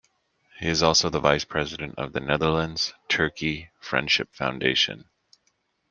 He is also the vice president of The Netherlands - Turkey Friendship Foundation.